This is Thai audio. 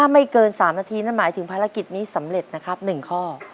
ไม่เกิน๓นาทีนั่นหมายถึงภารกิจนี้สำเร็จนะครับ๑ข้อ